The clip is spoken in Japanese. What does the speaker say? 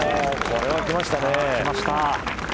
これはきました。